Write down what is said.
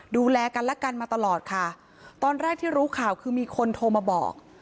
ดูแลกันและกันมาตลอดค่ะตอนแรกที่รู้ข่าวคือมีคนโทรมาบอก